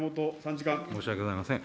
申し訳ございません。